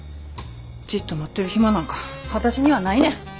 じっと待ってる暇なんか私にはないねん！